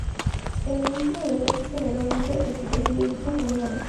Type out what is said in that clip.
El Ministro de Defensa es generalmente el que preside dichas reuniones.